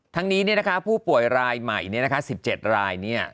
ทั้งนี้ผู้ป่วยรายใหม่๑๗ราย